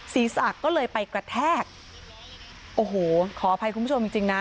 ศีรษะก็เลยไปกระแทกโอ้โหขออภัยคุณผู้ชมจริงจริงนะ